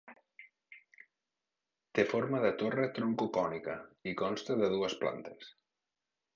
Té forma de torre troncocònica i consta de dues plantes.